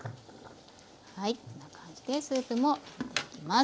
こんな感じでスープも盛っていきます。